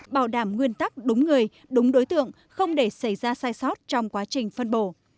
bảo đảm nguyên tắc đúng người đúng đối tượng không để xảy ra sai sót trong quá trình phân bổ